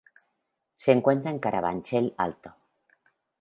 Se encuentra en Carabanchel Alto.